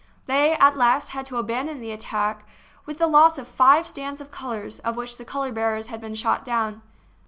They at last had to abandon the attack with the loss of five stands of colors, of which the color bearers had been shot down.